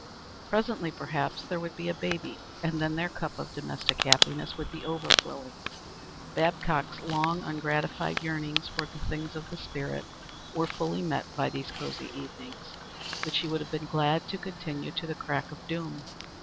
Presently, perhaps, there would be a baby, and then their cup of domestic happiness would be overflowing. Babcock's long ungratified yearning for the things of the spirit were fully met by these cosey evenings, which he would have been glad to continue to the crack of doom.